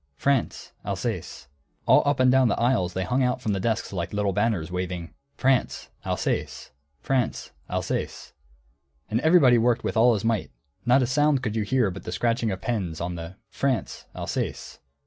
France: Alsace. All up and down the aisles they hung out from the desks like little banners, waving: France: Alsace. France: Alsace. And everybody worked with all his might, not a sound could you hear but the scratching of pens on the "France: Alsace."